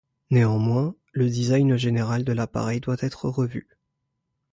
Néanmoins, le design général de l'appareil doit être revu.